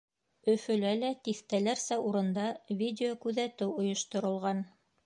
Өфөлә лә тиҫтәләрсә урында видеокүҙәтеү ойошторолған.